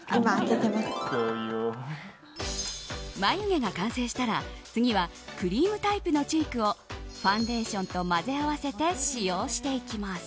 眉毛が完成したら、次はクリームタイプのチークをファンデーションと混ぜ合わせて使用していきます。